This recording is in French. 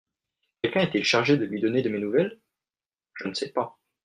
Quelqu'un est-il chargé de lui donner de mes nouvelles ? Je ne sais pas.